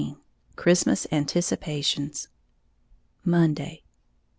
XVIII CHRISTMAS ANTICIPATIONS _Monday.